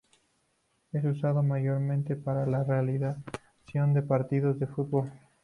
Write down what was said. Es usado mayormente para la realización de partidos de fútbol.